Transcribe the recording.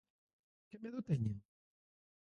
Que medo teñen?